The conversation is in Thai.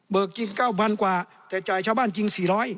จริง๙๐๐กว่าแต่จ่ายชาวบ้านจริง๔๐๐